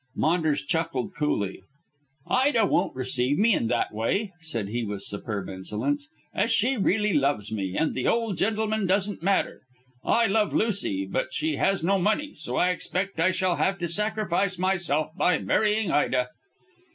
Maunders chuckled coolly. "Ida won't receive me in that way," said he with superb insolence, "as she really loves me, and the old gentleman doesn't matter. I love Lucy, but she has no money, so I expect I shall have to sacrifice myself by marrying Ida."